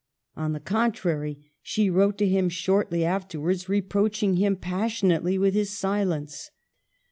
On the contrary, she wrote to him shortly afterwards, reproaching him passionately with his silence.